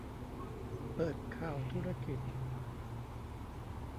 เปิดข่าวธุรกิจ